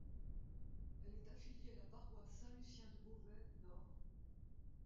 Elle est affiliée à la paroisse Saint-Lucien de Beauvais Nord.